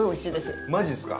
伊達：マジですか？